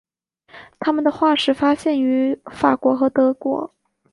它们的化石发现于法国和德国。